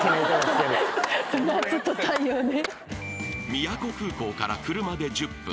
［宮古空港から車で１０分］